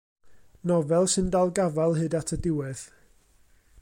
Nofel sy'n dal gafael hyd at y diwedd.